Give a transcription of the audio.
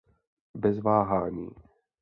Bez váhání!